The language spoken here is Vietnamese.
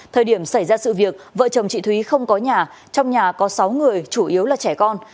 thời điểm xảy ra sự việc vợ chồng chị thúy không có nhà trong nhà có sáu người chủ yếu là trẻ con